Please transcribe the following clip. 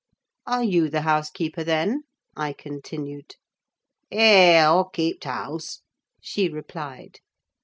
"Are you the housekeeper, then?" I continued. "Eea, Aw keep th' hause," she replied.